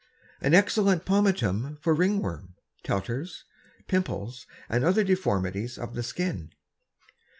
_An excellent Pomatum for Ringworms, Tettars, Pimples, and other Deformities of the Skin.